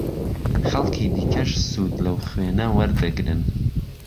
خهڵکی دیکهش سوود لهو خوێنه وهردهگرن.